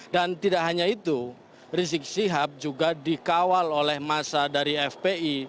dan tidak hanya itu rizik sibhab juga dikawal oleh masa dari fpi